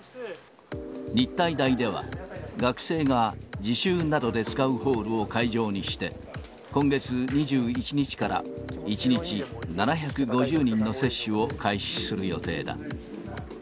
日体大では、学生が自習などで使うホールを会場にして、今月２１日から、１日７５０人の接種を開始する予定だ。